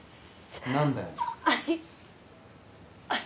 足。